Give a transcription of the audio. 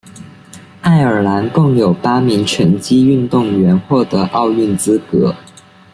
爱尔兰共有八名拳击运动员获得奥运资格。